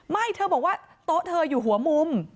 ไม่เธอบอกว่าโต๊ะเธออยู่หัวมุม